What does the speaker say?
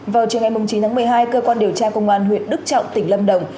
vào chiều ngày chín tháng một mươi hai cơ quan điều tra công an huyện đức trọng tỉnh lâm đồng